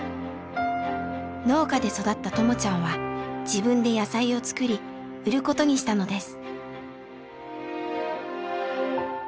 農家で育ったともちゃんは自分で野菜を作り売ることにしたのです。